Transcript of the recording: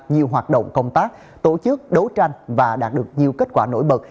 nhiều hoạt động công tác tổ chức đấu tranh và đạt được nhiều kết quả nổi bật